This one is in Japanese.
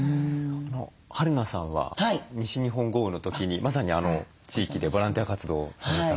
はるなさんは西日本豪雨の時にまさにあの地域でボランティア活動をされたわけですよね。